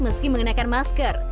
meski menggunakan masker